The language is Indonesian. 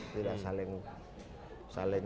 tidak saling bersaing